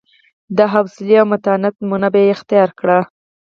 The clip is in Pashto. د حوصلې او متانت نمونه به یې اختیار کړه.